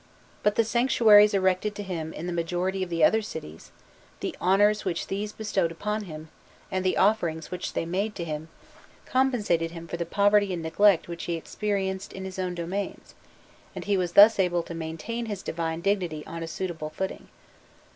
But the sanctuaries erected to him in the majority of the other cities, the honours which these bestowed upon him, and the offerings which they made to him, compensated him for the poverty and neglect which he experienced in his own domains; and he was thus able to maintain his divine dignity on a suitable footing.